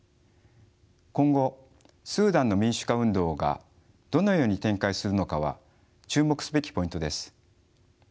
今後スーダンの民主化運動がどのように展開するのかは注目すべきポイントです。